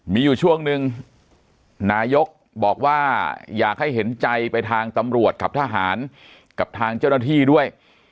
มีอยู่ช่วงนึงนายกบอกว่าอยากให้เห็นใจไปทางตำรวจกับทหารกับทางเจ้าหน้าที่ด้วย